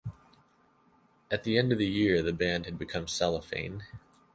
At the end of the year the band had become Cellophane.